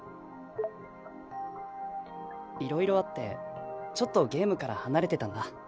いろいろあってちょっとゲームから離れてたんだ。